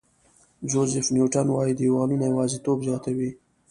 جوزیف نیوټن وایي دیوالونه یوازېتوب زیاتوي.